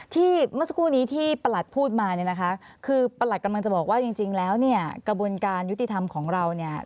เมื่อสักครู่นี้ที่ประหลัดพูดมาเนี่ยนะคะคือประหลัดกำลังจะบอกว่าจริงแล้วเนี่ยกระบวนการยุติธรรมของเราเนี่ย